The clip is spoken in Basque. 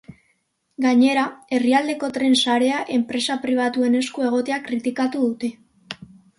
Gainera, herrialdeko tren sarea enpresa pribatuen esku egotea kritikatu dute.